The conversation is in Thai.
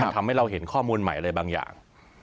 ทำให้เราเห็นข้อมูลใหม่อะไรบางอย่าง